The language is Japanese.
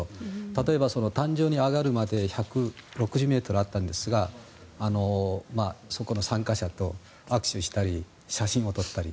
例えば壇上に上がるまで１６０ｍあったんですがそこの参加者と握手したり写真を撮ったり。